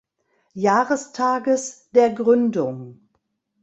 Jahrestages der Gründung.